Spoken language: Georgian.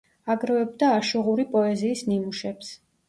აგროვებდა აშუღური პოეზიის ნიმუშებს.